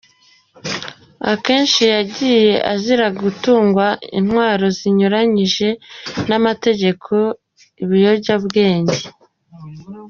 Akenshi yagiye azira gutungwa intwaro binyuranyije n’amategeko, ibiyobyabwenge.